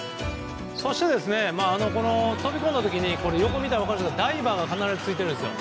そして、飛び込んだ時に横を見たら分かりますがダイバーが必ずついているんですよ。